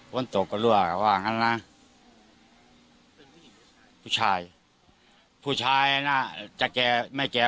วันตกก็รั่วว่าอย่างงั้นล่ะผู้ชายผู้ชายน่ะจะแก่ไม่แก่